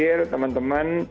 jangan khawatir teman teman